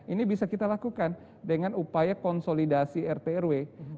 ini bisa kita lakukan dengan upaya konsolidasi rtrw